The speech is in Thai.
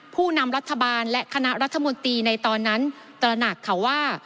ผู้นำรัฐบาลและคณะรัฐมนตรีในตอนนั้นตระหนักค่ะว่า